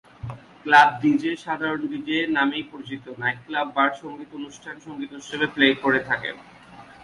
Club DJ, সাধারণত DJ নামেই পরিচিত; নাইটক্লাব, বার, সঙ্গীত অনুষ্ঠান, সঙ্গীত উৎসবে প্লে করে থাকেন।